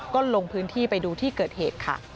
ก็ลงพื้นที่ไปดูที่เกิดเหตุค่ะ